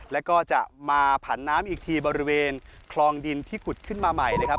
แล้วก็จะมาผันน้ำอีกทีบริเวณคลองดินที่ขุดขึ้นมาใหม่นะครับ